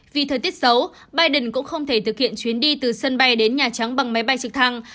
vì thời tiết xấu biden cũng không thể thực hiện chuyến đi từ sân bay đến nhà trắng bằng máy bay trực thăng